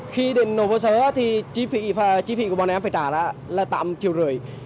khi đến nổ vô sở thì chi phị của bọn em phải trả là tạm triệu rưỡi